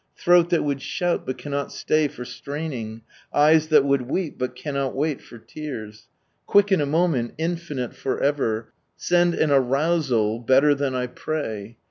Throat that would thout bul eaimal stay for straining, Eyis that ttmild weep, bul caamat wail for tears. Quiii in a moment, infinite for ever, SenJ an arousal bilttr than / pray.